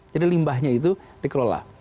jadi limbahnya itu dikelola